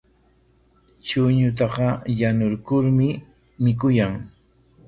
Chuñutaqa yanurkurmi mikuyan.